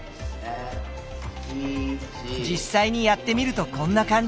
実際にやってみるとこんな感じ。